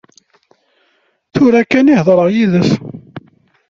Tura kan i heḍṛeɣ yid-s.